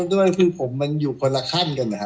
ด้วยคือผมมันอยู่คนละขั้นกันนะครับ